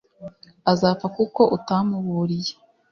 azapfa kuko utamuburiye